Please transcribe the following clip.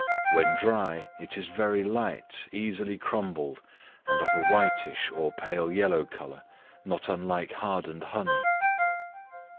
When dry, it is very light, easily crumbled, and of a whitish, or pale yellow color, not unlike hardened honey.